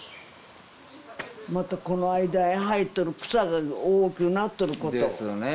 またこの間へ生えとる草が大きゅうなっとることですね